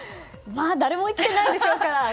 まあ誰も生きていないでしょうから。